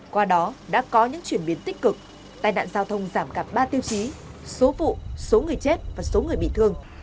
qua đó đã có những chuyển biến tích cực tai nạn giao thông giảm cả ba tiêu chí số vụ số người chết và số người bị thương